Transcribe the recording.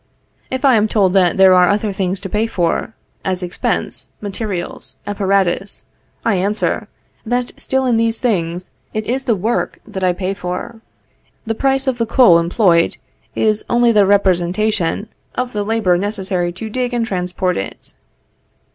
If I am told that there are other things to pay for; as expense, materials, apparatus; I answer, that still in these things it is the work that I pay for. The price of the coal employed is only the representation of the labor necessary to dig and transport it.